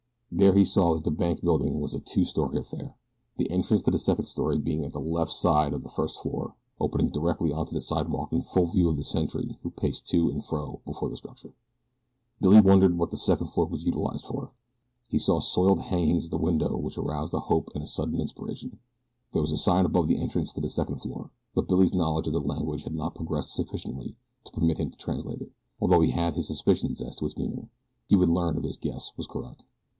There he saw that the bank building was a two story affair, the entrance to the second story being at the left side of the first floor, opening directly onto the sidewalk in full view of the sentry who paced to and fro before the structure. Billy wondered what the second floor was utilized for. He saw soiled hangings at the windows which aroused a hope and a sudden inspiration. There was a sign above the entrance to the second floor; but Billy's knowledge of the language had not progressed sufficiently to permit him to translate it, although he had his suspicions as to its meaning. He would learn if his guess was correct.